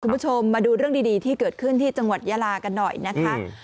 คุณผู้ชมมาดูเรื่องดีที่เกิดขึ้นที่จังหวัดยาลากันหน่อยนะคะ